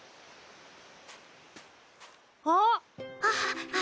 あっ！